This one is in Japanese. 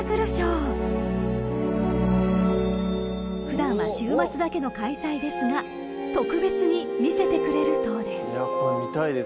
［普段は週末だけの開催ですが特別に見せてくれるそうです］